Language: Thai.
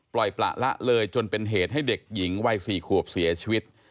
ปล่อยประละเลยจนเป็นเหตุให้เด็กหญิงวัย๔ขวบเสียชีวิต